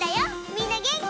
みんなげんき？